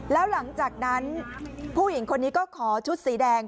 แล้วหลังจากนั้นผู้หญิงคนนี้ก็ขอชุดสีแดง